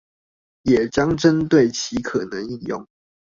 也將針對其可能應用